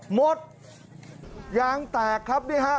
หมดยางแตกครับนี่ฮะ